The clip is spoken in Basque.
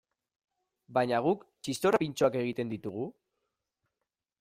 Baina guk txistorra pintxoak egiten ditugu?